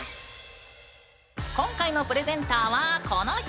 今回のプレゼンターはこの人！